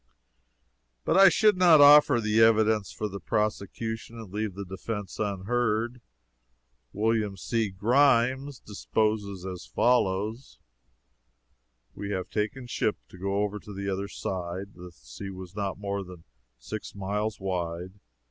But I should not offer the evidence for the prosecution and leave the defense unheard. Wm. C. Grimes deposes as follows: "We had taken ship to go over to the other side. The sea was not more than six miles wide.